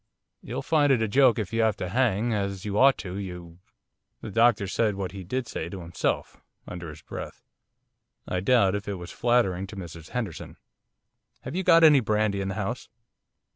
'You'll find it a joke if you have to hang, as you ought to, you ' The doctor said what he did say to himself, under his breath. I doubt if it was flattering to Mrs Henderson. 'Have you got any brandy in the house?